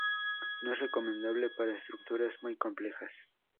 No es recomendable para estructuras muy complejas.